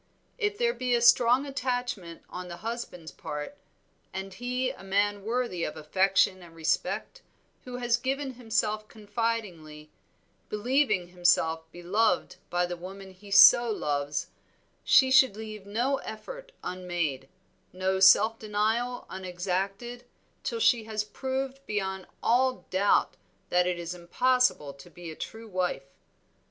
If there be a strong attachment on the husband's part, and he a man worthy of affection and respect, who has given himself confidingly, believing himself beloved by the woman he so loves, she should leave no effort unmade, no self denial unexacted, till she has proved beyond all doubt that it is impossible to be a true wife.